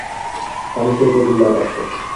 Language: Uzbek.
«Qani she’rda gullar raqsi?